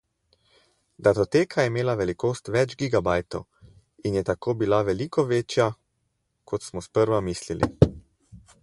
Datoteka je imela velikost več gigabajtov in je tako bila veliko večja, kot smo sprva mislili.